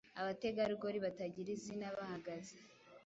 abategarugori batagira izina bahagaze;